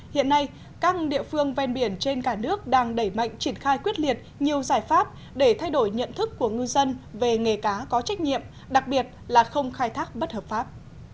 hiện nay các địa phương ven biển trên cả nước đang đẩy mạnh triển khai quyết liệt nhiều giải pháp để thay đổi nhận thức của ngư dân về nghề cá có trách nhiệm đặc biệt là không khai thác bất hợp pháp